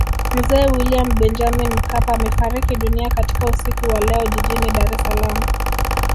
Mzee William Benjamin Mkapa amefariki dunia katika usiku wa leo Jijini Dar es Salaam